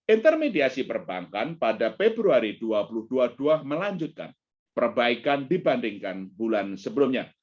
intermediasi perbankan pada februari dua ribu dua puluh dua melanjutkan perbaikan dibandingkan bulan sebelumnya